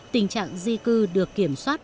tình trạng di cư được kiểm soát